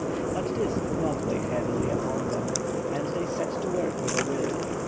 But this did not weigh heavily upon them, and they set to work with a will.